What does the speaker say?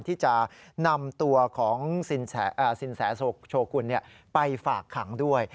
ที่จะนำตัวของสินแสโชกุลไปฝากขังด้วย